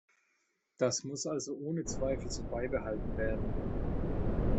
Das muss also ohne Zweifel so beibehalten werden.